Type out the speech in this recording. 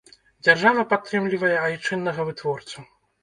Дзяржава падтрымлівае айчыннага вытворцу.